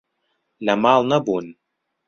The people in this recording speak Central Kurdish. لە ماڵ نەبوون.